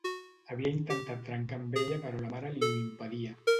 Havia intentat trencar amb ella però la mare li ho impedia.